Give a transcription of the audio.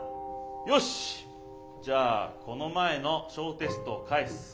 よしっじゃあこの前の小テストを返す。